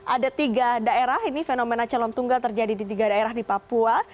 ada tiga daerah ini fenomena calon tunggal terjadi di tiga daerah di papua